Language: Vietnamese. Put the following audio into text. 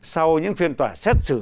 sau những phiên tòa xét xử